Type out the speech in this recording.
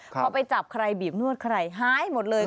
พอไปจับใครบีบนวดใครหายหมดเลย